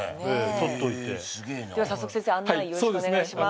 とっといて先生案内よろしくお願いします